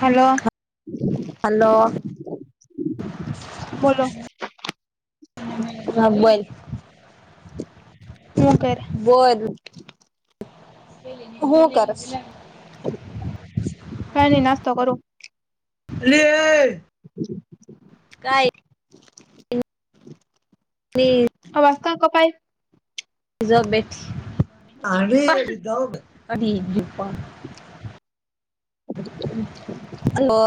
હાલો હા લો બોલો હા બોલ હુ કરે બોલ હુ કરે કાઈ ની નાસ્તો કરૂ [unintelligible] [inaudible] કાંઈ [inaudible] પ્લીઝ અવાજ કેમ કપાય [unintelligible] હઠીક ડી પણ હલો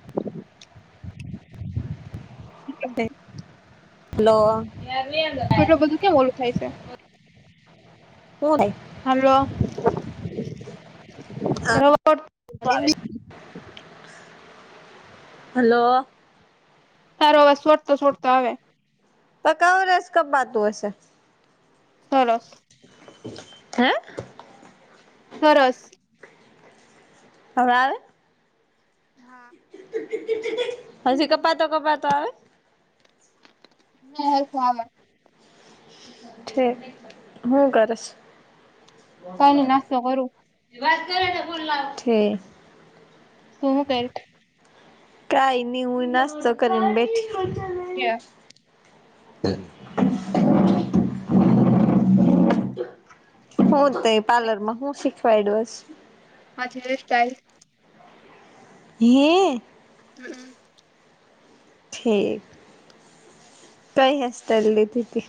[inaudible] [unintelligible] હલો [unintelligible] એટલું બધું કયા ઓલું થાય છે, હુ થાય હલો [unintelligible] થાય હલો તારો અવાજ સોટતો સોટતો આવે પકા વરસ કપાતું હશે હલો હે સરસ હવે આવે હા હજી કપાતો કપાતો આવે નહી હરખું આવે ઠે હુ કરસ [unintelligible] કઈ નઈ નાસ્તો કરું થે તું હુ પેર કાઈ ની હુ નાસ્તો કરીને બેઠી ક્યાં [inaudible] હું તે પાર્લર માં હું શીખવાયડું હસ પાછળ હેરસ્ટાઇલ હે હમ્મ ઠીક કઈ હેરસ્ટાઇલ લીધી તી?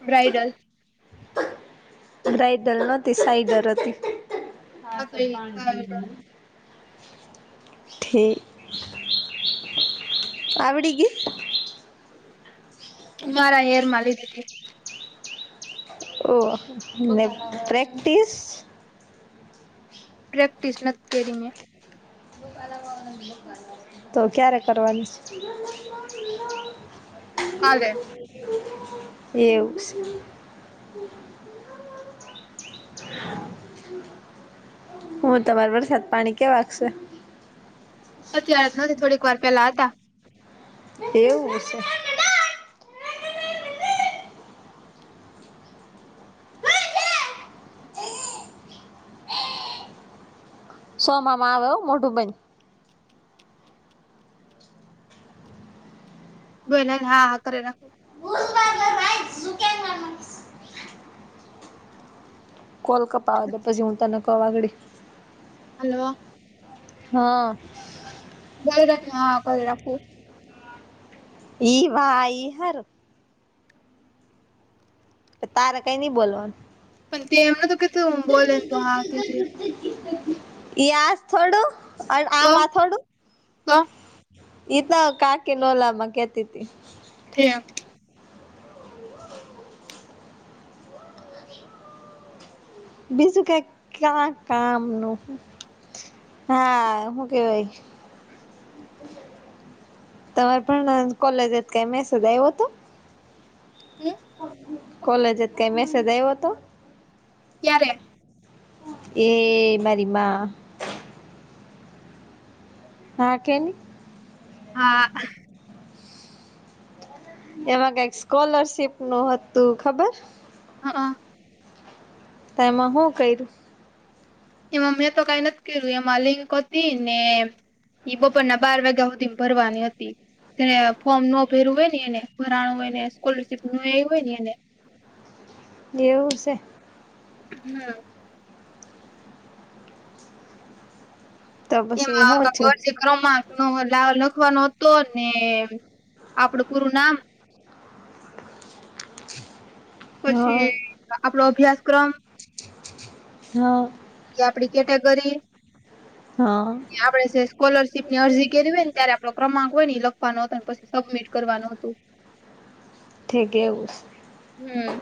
બ્રાઇડલ. બ્રઇડલ ન હતી સાઈડલ હતી. હા તો એ ઠીક આવડી ગઈ. મારા હેરમાં લીઘીતી. ઓ ને પ્રેક્ટિસ? પ્રેક્ટીસ નથી કયરી મે. કલાવાગના બકલવાના [inaudible] તો ક્યારે કરવાની છે. કાલે. એવું છે, હું તમારો વરસાદ પાણી કેવા શે? અત્યારેા જ નથી થોડીક વાર પેલા હતા. એવું છે. સોમાવામાંમાં આવે્યો મોટુંબન. બોય ના હા હા અરે રાખો. કોલ કપવા દ પ જીવુંતા ન કવાગડી. હલો. હા. [unintelligible] પર રાખું. એઈ એ ભાઈ સારું. તારા કઈ નઈ બોલવાનું. પણ તે એમને તો કેધું બોલે ને તો હા કે જે. તે ઈ આ થોડું તો આમાં થોડું. તો એ તો ન કાકી ના ઓલામાં કેતીતી. થ ઠીક. બીજું કહે ક્યા કામ નુ? હા શું કહેવાય? તમારે પણ કોલેજ થી કઈ મેસેજ આવ્યો હતો? હમ્મ કોલેજ માંથી જ કઈ મેસેજ આવ્યો હતો? ક્યારે? એ મારીમાં હા કે? હા. એમાં કઈક સ્કોલરશીપ નું હતું ખબર. હા. તમાં હું કર્યું. એમાં મેં તો કઈ નથી કર્યું એ મા લિક હતી ને ઈ બપોરના બાર વાગ્યા સુધી ભરવાની હતી. તેને ફોર્મ નો ભરું હોય એને ભરાણું હોય ને સ્કોલરશીપ નો એ હોય ને એને. એવું છે. હમ્મ તો એ પછી મા હું આપણી છું બર્થ ડેટ ક્રોમાંક નો લા લખવાનો હતો ને આપડું પૂરું નામ પછી હા આપડો અભ્યાસક્રમ હા કે આપડી કેટેગરી હા આપડે છે સ્કોલરશીપ ની અરજી કરવી હોય ને ત્યારે આપડો ક્રમાંક હોય ને ઈ લખવાનો હતો પછી સબમિટ કરવાનુ હતું. [unintelligible] ઠીક એવું છે. હમ.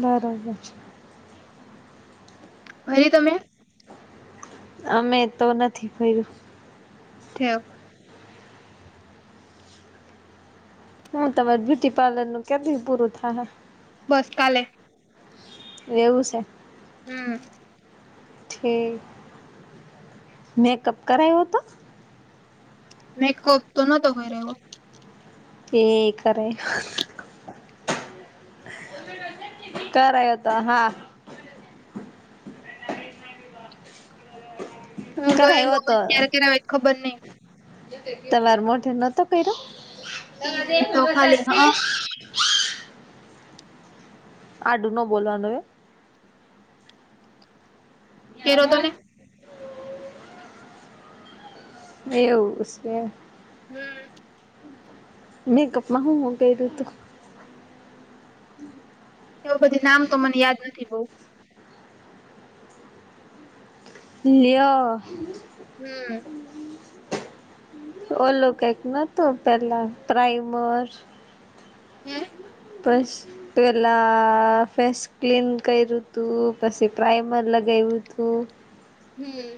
બરોબર. ભરી તમે? અમે તો નથી ભયરુ. ઠેક હું તમારે બ્યુટી પાર્લરનું કે દી પૂરું થાહે? બસ કાલે. એવું સે. હમ્મ. ઠીક. મેકઅપ કરાયવો તો? મેકઅપ તો નતો કયરો. ઠીક રે. કરાયવો તો હા. [unintelligible] હું ગઈ નો હોય ત્યારે કરાયવો હોય ત ખબર નઈ. તમારે મોઢે નતો કયરો? ઈ તો ખાલી હ [unintelligible] આડુ નો બોલવાનું હોય હો. કર્યો તો ને [unintelligible] એવું સ. હમ્મ. મેકઅપમાં હું હું કયરુ તું? એવા બધી નામ તો મને યાદ નથી બહુ. લ્યો હમ્મ [unintelligible] ઓલું કક નતું પેલા પ્રાઈમર, હે બસ પેલાં ફેસ ક્લીન કયરુ તું, પછી પ્રાઇમર લગાયવુ તું. હમ્મ.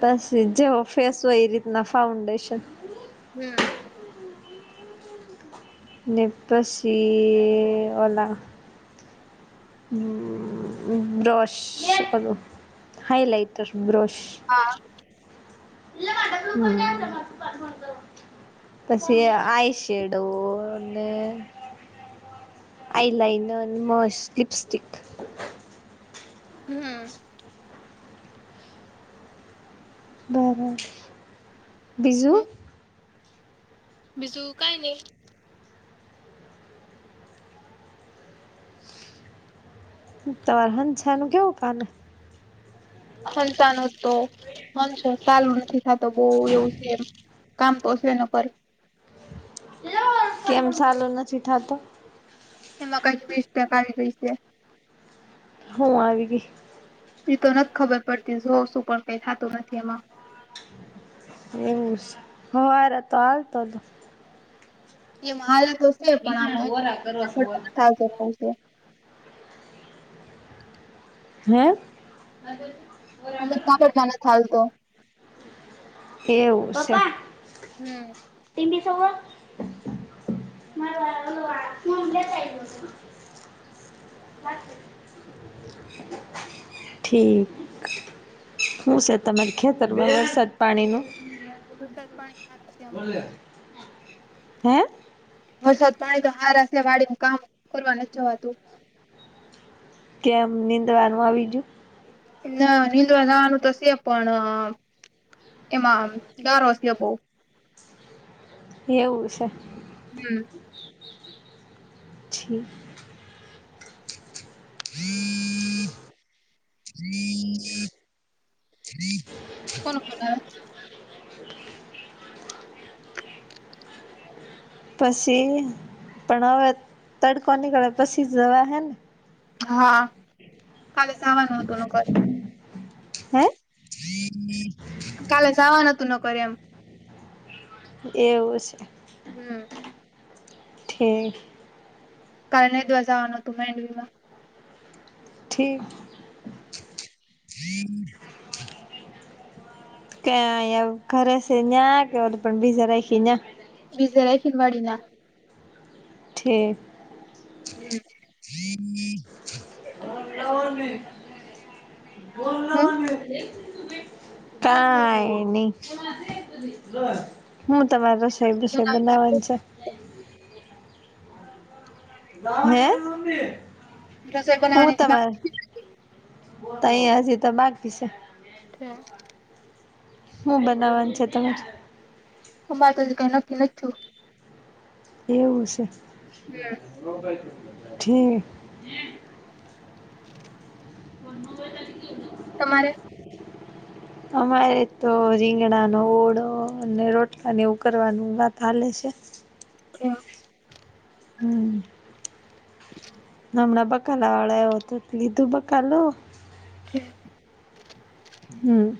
તસવીર જેવો ફેસ હોય એ રીતના ફાઉન્ડેશન હમ્મ ને પસી ઓલા બ્રશ ઓલો હાઈલાઈટર બ્રશ હા [unintelligible] પછી આઈ શેડો અને આઈલાઇનર ન મસ્ત લિપસ્ટિક હમ્મ. બીજું? મિશુ કા ગઈ. તર હંછાનું કેવું ભાને હંચાનું તો હનશો ચાલુ નથી થતો બહ એવું છે એમ કામ તોસે ના કરે કેમ સાલો નથી થાતો? એમાં કંઈક મિક્ટેક આવી ગઈ છે. હું આવી ગી એ તો નથી ખબર પડતી જો કઈ થતું નથી એમાં એવું શી હવારે તો હાલ તો તો, એમાં હાલ તો છે પણ એમાં [unintelligible] હે! [unintelligible] એવું શે. હમ. ટીવી શોમાં [unintelligible] ઠીક. શું છે તમારે ખેતર મા વરસાદ પાણી નું વરસાદ પાણી સારા થીયા હમણાં. હે વરસાદ પાણી તો હારા થીયા વાડીમા કામ કરવા નથી જવાતું કેમ નીંદવાનું આવીજું ના નીંદવા જાવાનું તો છે પણ એમાં ગારો છે બવ એવું છે. હમ્મ છી [inaudible] [inaudible] કોનો ફોન આવે? પછી પણ હવે તડકો નીકળે પછી જવાહે ને હા કાલે જવાનું હતું નોકર હે કાલે જાવાનુ હતુ નોકર એમ એવુ શે. હમ્મ ઠેક કાલ નેંદવા જાવાનું હતુ માંડવી માં ઠીક ક્યાં એ ઘરે છે ન્યાં કે [unintelligible] કે બીજે રાખી યા બીજે રાઈખી વાડી ન્યા ઠેક હમ્મ [unintelligible] ફોન હમ લાવી ને કાઈ નઈ. હુ તમારે રસોઈ બસોઈ બનાવાની છે. હે રસોઈ હુ તમા બનાવાની તય હજી તો બાકી છે. ઠે હુ બનવાન છે, તમે? અમારે તો હજી કઈ નક્કી નથી થીયું એવું છે, હમ ઠીક [inaudible] તમારે અમારે તો રીંગણાનો ઓળો અને રોટલા ને એવુ કરવાનું વાત હાલે છે. કેમ હમ્મ. હમણાં બકાલા વાળો આઈવો તો લીધું બકાલુ ઠેક હમ્મ.